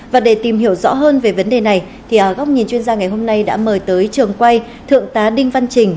và để tìm hiểu rõ hơn về vấn đề này thì góc nhìn chuyên gia ngày hôm nay đã mời tới trường quay thượng tá đinh văn trình